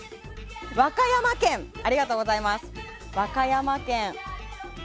和歌山県ありがとうございます。